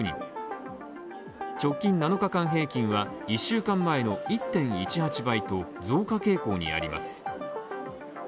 直近７日間平均は１週間前の１．１８倍と増加傾向にあります。